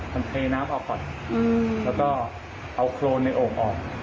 มันเทน้ำออกก่อนแล้วก็เอาโครนในโอ่งออก